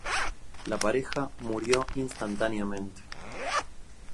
La pareja murió instantáneamente.